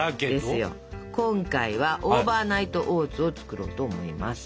今回はオーバーナイトオーツを作ろうと思います。